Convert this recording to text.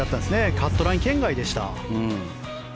カットライン圏外でした。